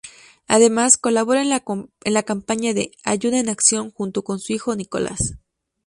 Además, colabora en la campaña de "Ayuda en Acción" junto con su hijo Nicolás.